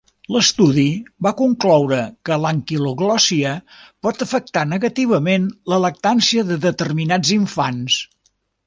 L'estudi va concloure que l'anquiloglòssia pot afectar negativament la lactància de determinats infants.